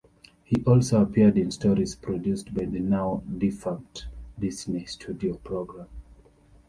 He also appeared in stories produced by the now defunct Disney Studio Program.